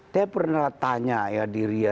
saya pernah tanya ya diri